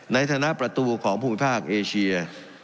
ในฐานะประตูของภูมิภาคเอเชีย